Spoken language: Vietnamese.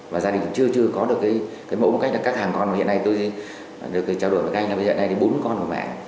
và gia đình cũng chưa có được cái mẫu một cách là các hàng con mà hiện nay tôi được chào đổi với các anh là bây giờ này thì bốn con của mẹ